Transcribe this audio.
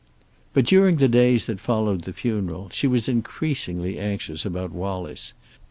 But, during the days that followed the funeral, she was increasingly anxious about Wallace.